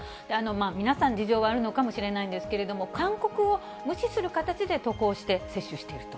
皆さん、事情があるのかもしれないんですけれども、勧告を無視する形で渡航して接種していると。